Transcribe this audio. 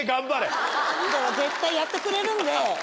絶対やってくれるんで。